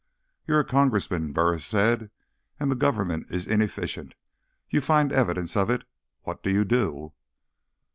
"You're a congressman," Burris said, "and the government is inefficient. You find evidence of it. What do you do?"